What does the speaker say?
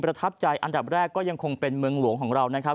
ทับใจอันดับแรกก็ยังคงเป็นเมืองหลวงของเรานะครับ